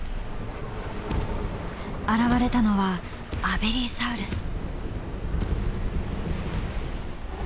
現れたのはアベリサウルス。